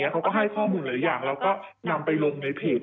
เขาก็ให้ข้อมูลหลายอย่างแล้วก็นำไปลงในเพจ